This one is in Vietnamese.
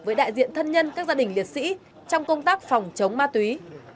với đại diện thân nhân các gia đình liệt sĩ trong công tác phòng chống ma túy